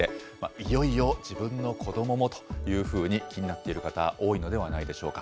いよいよ自分の子どももというふうに気になっている方、多いのではないでしょうか。